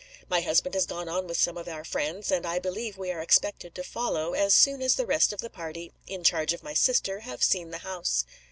My husband has gone on with some of our friends; and I believe we are expected to follow, as soon as the rest of the party in charge of my sister have seen the house."